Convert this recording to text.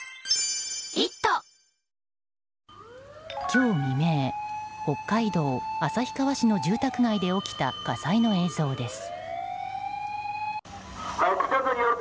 今日未明北海道旭川市の住宅街で起きた火災の映像です。